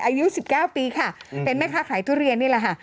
อายุ๑๙ปีค่ะเป็นแม่ค้าขายทุเรียนนี่แหละค่ะ